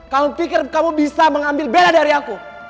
kamu pikir kamu bisa mengambil bela dari aku